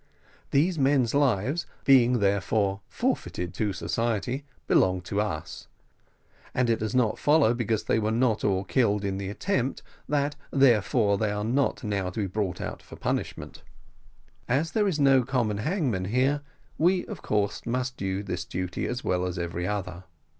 These men's lives being therefore forfeited to society, belong to us; and it does not follow because they were not all killed in the attempt, that therefore they are not now to be brought out for punishment. And as there is no common hangman here, we, of course, must do this duty as well as every other.